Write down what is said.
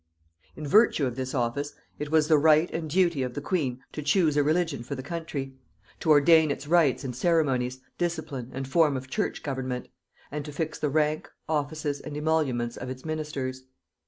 In virtue of this office, it was the right and duty of the queen to choose a religion for the country; to ordain its rites and ceremonies, discipline, and form of church government; and to fix the rank, offices and emoluments of its ministers.